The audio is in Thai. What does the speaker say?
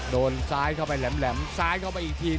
โดนซ้ายเข้าไปแหลมซ้ายเข้าไปอีกที